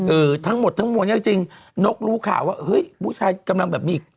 เออทั้งหมดทั้งมวลเนี้ยจริงจริงนกรู้ข่าวว่าเฮ้ยผู้ชายกำลังแบบมี